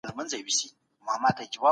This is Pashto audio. جګړه به هېڅکله هم ښي پايلي ونه لري.